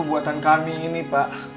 ini perbuatan kami ini pak